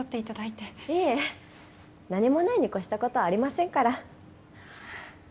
いえ何もないに越した事はありませんから。